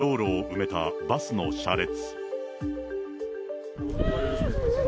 一直線に道路を埋めたバスの車列。